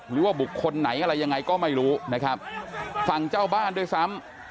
หรือว่าบุคคลไหนอะไรยังไงก็ไม่รู้นะครับฝั่งเจ้าบ้านด้วยซ้ำ